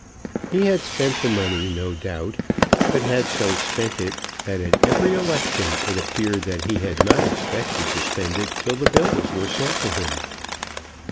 He had spent the money no doubt, but had so spent it that at every election it appeared that he had not expected to spend it till the bills were sent to him.